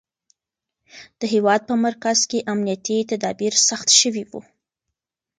د هېواد په مرکز کې امنیتي تدابیر سخت شوي وو.